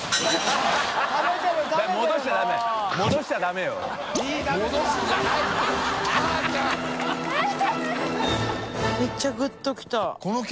めっちゃグッときた。